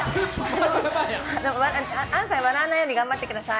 杏さん、笑わないように頑張ってください。